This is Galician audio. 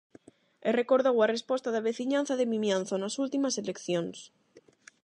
E recordou a resposta da veciñanza de Vimianzo nas últimas eleccións.